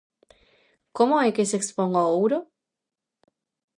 Como é que se expón o ouro?